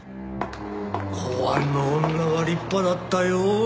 公安の女は立派だったよ。